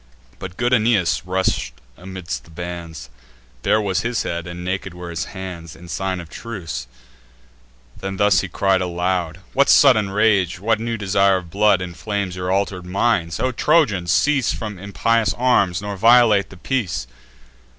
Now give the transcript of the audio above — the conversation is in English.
But good Aeneas rush'd amid the bands; Bare was his head, and naked were his hands, In sign of truce: then thus he cries aloud: "What sudden rage, what new desire of blood, Inflames your alter'd minds? O Trojans, cease From impious arms, nor violate the peace!